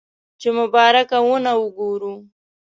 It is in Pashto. چې مبارکه ونه وګورو.